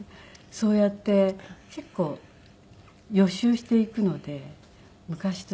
そうやって結構予習していくので昔と違うかな。